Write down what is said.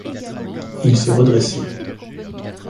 Il s’est redressé